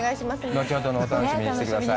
後ほどのお楽しみにしてください。